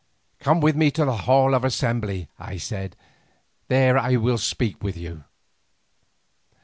"Come with me to the Hall of Assembly," I said; "there I will speak to you."